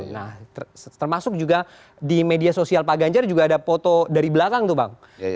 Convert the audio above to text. nah termasuk juga di media sosial pak ganjar juga ada foto dari belakang tuh bang